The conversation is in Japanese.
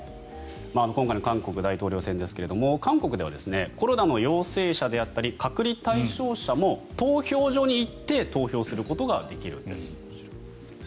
今回の韓国大統領選ですが韓国ではコロナの陽性者であったり隔離対象者も投票所に行って投票することができるんです。